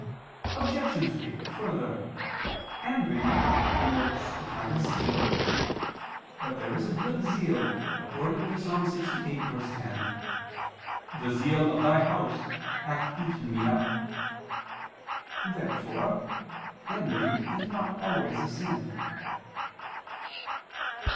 Obj. 3: Further, envy denotes a kind of zeal. But there is a good zeal, according to Ps. 68:10: "The zeal of Thy house hath eaten me up." Therefore envy is not always a sin.